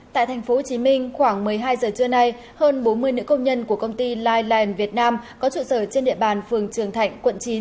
tại tp hcm khoảng một mươi hai giờ trưa nay hơn bốn mươi nữ công nhân của công ty live việt nam có trụ sở trên địa bàn phường trường thạnh quận chín